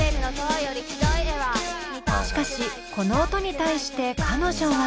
しかしこの音に対して彼女は。